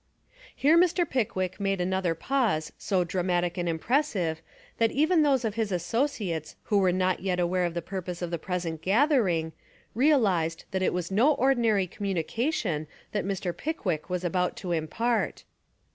Here Mr. Pickwick made another pause so dramatic and impressive that even those of his associates who were not yet aware of the pur 203 Essays and Literary Studies pose of the present gathering, realised that it was no ordinary communication that Mr. Pick wick was about to impart.